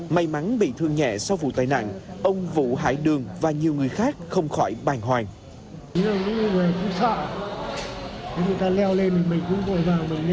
may mắn bị thương nhẹ sau vụ tai nạn ông vũ hải đường và nhiều người khác không khỏi bàn hoàng